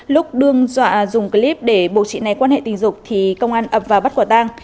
lúc đương dọa dùng clip để bộ chị này quan hệ tình dục thì công an ập vào bắt quả tang